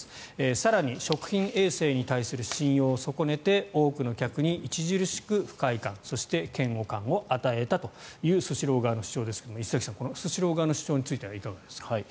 更に食品衛生に対する信用を損ねて多くの客に著しく不快感そして嫌悪感を与えたというスシロー側の主張ですが石崎さん、このスシロー側の主張についてはいかがでしょうか。